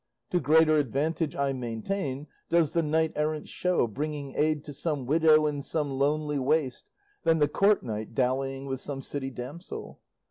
To greater advantage, I maintain, does the knight errant show bringing aid to some widow in some lonely waste, than the court knight dallying with some city damsel.